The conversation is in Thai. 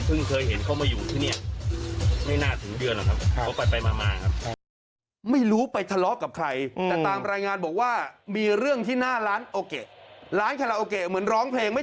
ทุกคนไม่รู้ว่าอยู่ที่นี่เอาไปยิงได้ยังไง